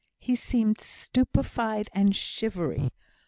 He seemed stupified and shivery.